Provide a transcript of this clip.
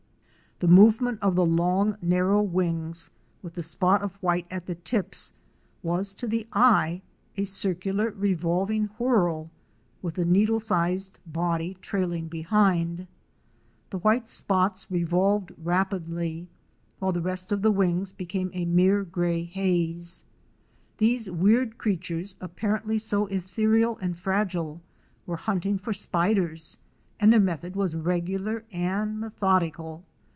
* The movement of the long, narrow wings, with the spot of white at the tips was, to the eye, a cir cular revolving whirl, with the needle sized body trailing * Two Bird lovers in Mexico, pp. 239 241. WATER TRAIL FROM GEORGETOWN TO AREMU. 271 behind. The white spots revolved rapidly, while the rest of the wings became a mere gray haze. These weird crea tures, apparently so ethereal and fragile, were hunting for spiders, and their method was regular and methodical.